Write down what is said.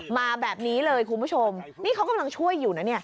มาแบบนี้เลยคุณผู้ชมนี่เขากำลังช่วยอยู่นะเนี่ย